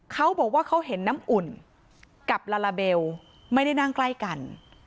เขาบอกว่าเขาเห็นน้ำอุ่นกับลาลาเบลไม่ได้นั่งใกล้กัน